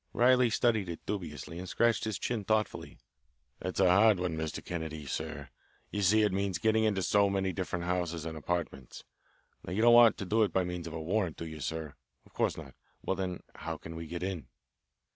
Riley studied it dubiously and scratched his chin thoughtfully. "That's a hard one, Mr. Kennedy, sir. You see, it means getting into so many different houses and apartments. Now you don't want to do it by means of a warrant, do you, sir? Of course not. Well, then, how can we get in?"